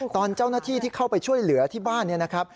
ตอนเจ้าหน้าที่ที่เข้าไปช่วยเหลือที่บ้านเนี่ยนะครับ